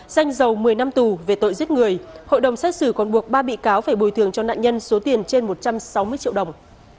danh giàu một mươi năm tù về tội giết người hội đồng xét xử còn buộc ba bị cáo phải bồi thường cho nạn nhân số tiền trên một trăm sáu mươi triệu đồng